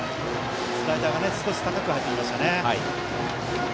スライダーが少し高く入りましたね。